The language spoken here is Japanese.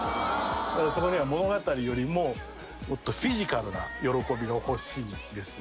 そこには物語よりももっとフィジカルな喜びが欲しいんですよね。